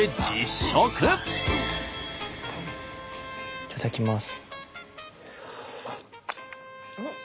いただきます。